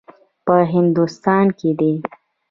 په هندوستان کې دی.